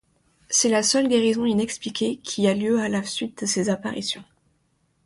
C'est la seule guérison inexpliquée qui a lieu à la suite de ces apparitions.